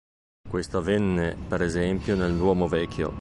Questo avvenne per esempio nel Duomo Vecchio.